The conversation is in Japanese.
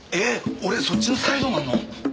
俺そっちのサイドなの？